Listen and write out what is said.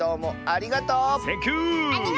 ありがとう！